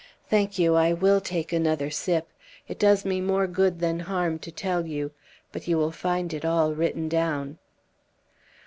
Thank you, I will take another sip. It does me more good than harm to tell you. But you will find it all written down."